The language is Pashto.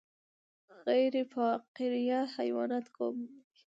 غیر فقاریه حیوانات کوم دي